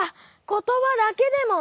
ことばだけでも。